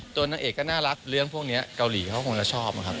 นางเอกก็น่ารักเรื่องพวกนี้เกาหลีเขาคงจะชอบนะครับ